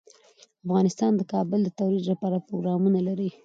افغانستان د کابل د ترویج لپاره پروګرامونه لري.